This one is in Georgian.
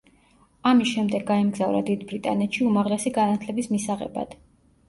ამის შემდეგ გაემგზავრა დიდ ბრიტანეთში უმაღლესი განათლების მისაღებად.